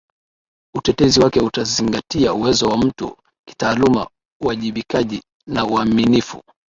Uteuzi wake utazingatia uwezo wa mtu kitaaluma uwajibikaji na uaminifu